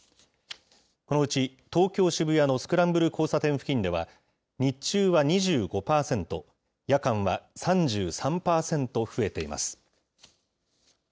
このうち、東京・渋谷のスクランブル交差点付近では日中は２５％、夜間は３３％増えています。